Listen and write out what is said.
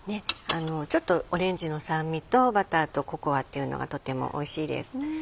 ちょっとオレンジの酸味とバターとココアっていうのがとてもおいしいです。